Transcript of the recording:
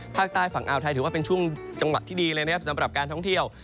ภาคใต้ฝั่งอ่าวไทยถือว่าเป็นช่วงจังหวะที่ดีเลยนะครับสำหรับการท่องเที่ยว